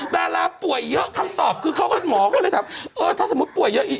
ดาราป่วยเยอะคำตอบคือเขาก็หมอก็เลยถามเออถ้าสมมุติป่วยเยอะอีก